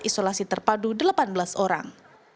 isolasi terpadu delapan belas orang